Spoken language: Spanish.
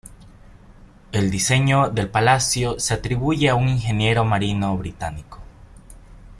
El diseño del palacio se atribuye a un ingeniero marino británico.